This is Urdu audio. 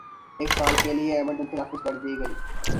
ایک سال کے لیے ایمرجنسی نافذ کر دی گئی